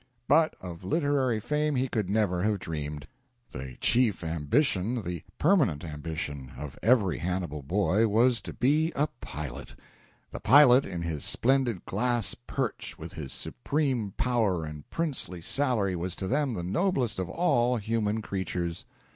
But of literary fame he could never have dreamed. The chief ambition the "permanent ambition" of every Hannibal boy was to be a pilot. The pilot in his splendid glass perch with his supreme power and princely salary was to them the noblest of all human creatures.